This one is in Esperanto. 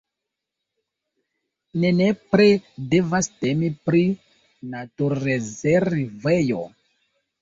Ne nepre devas temi pri naturrezervejo.